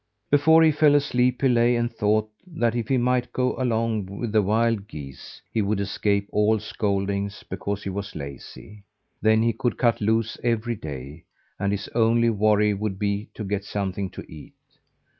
Before he fell asleep, he lay and thought that if he might go along with the wild geese, he would escape all scoldings because he was lazy. Then he could cut loose every day, and his only worry would be to get something to eat.